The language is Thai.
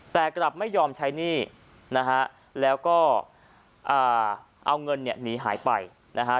แต่กลับไม่ยอมใช้หนี้นะฮะแล้วก็เอาเงินเนี่ยหนีหายไปนะฮะ